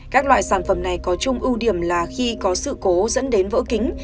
các loại sản phẩm này có chung ưu điểm là khi có sự cố dẫn đến vỡ kính